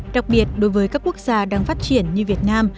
đặc biệt đối với các quốc gia đang phát triển như việt nam